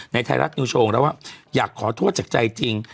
ไทยรัฐนิวโชว์แล้วว่าอยากขอโทษจากใจจริง